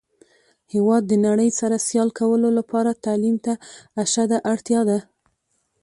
هیواد د نړۍ سره سیال کولو لپاره تعلیم ته اشده اړتیا ده.